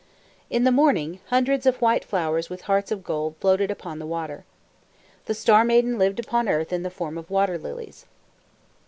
In the morning, hundreds of white flowers with hearts of gold floated upon the water. The Star Maiden lived upon earth in the form of water lilies.